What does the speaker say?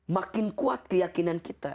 makin kuat keyakinan kita